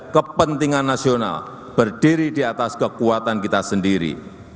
kepentingan nasional berdiri di atas kekuatan kita sendiri